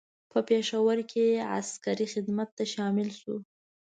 په پېښور کې عسکري خدمت ته شامل شو.